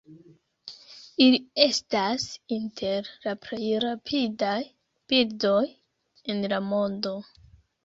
Ili estas inter la plej rapidaj birdoj en la mondo.